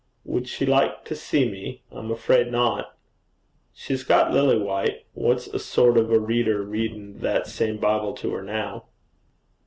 'Would she like to see me? I'm afraid not.' 'She's got Lilywhite, what's a sort of a reader, readin' that same Bible to her now.'